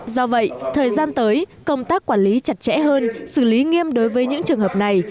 do vậy thời gian tới công tác quản lý chặt chẽ hơn xử lý nghiêm đối với những trường hợp này